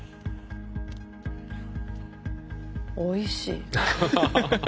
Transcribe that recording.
おいしい。